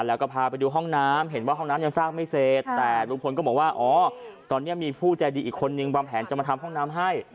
แล้วก็พาไปดูห้องน้ำเห็นว่าห้องน้ำยังสร้างไม่เสร็จแต่ลุงพลก็บอกว่าอ๋อตอนนี้มีผู้ใจดีอีกคนนึงวางแผนจะมาทำห้องน้ำให้